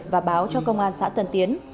và báo cho công an xã tân tiến